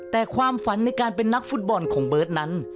แต่ความฝันในการเป็นนักฟุตบอลของเบิร์ตนั้น